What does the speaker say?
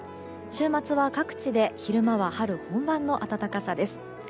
週末は各地で昼間は春本番の暖かさです。